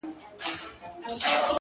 والله ه چي په تا پسي مي سترگي وځي’